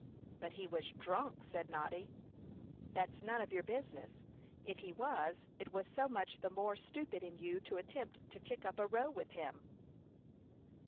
"But he was drunk," said Noddy. "That's none of your business. If he was, it was so much the more stupid in you to attempt to kick up a row with him."